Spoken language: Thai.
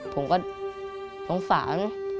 ผมก็ฝาก